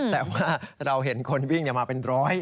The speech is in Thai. แต่ว่าเราเห็นคนวิ่งมาเป็นร้อย